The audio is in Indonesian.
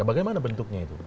bagaimana bentuknya itu